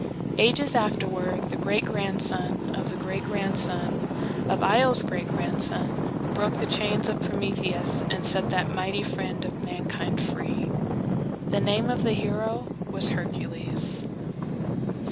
Ages afterward, the great grandson of the great grandson of Io's great grandson broke the chains of Prometheus and set that mighty friend of mankind free. The name of the hero was Hercules.